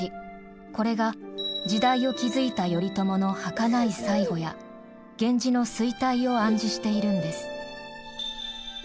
これが時代を築いた頼朝のはかない最期や源氏の衰退を暗示しているんです。